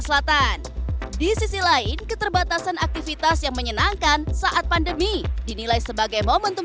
selatan di sisi lain keterbatasan aktivitas yang menyenangkan saat pandemi dinilai sebagai momentum